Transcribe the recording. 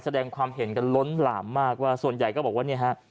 แสดงความเห็นกันล้นหลามมากว่าส่วนใหญ่ก็บอกว่าเนี่ยฮะ